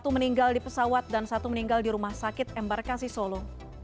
satu meninggal di pesawat dan satu meninggal di rumah sakit embarkasi solo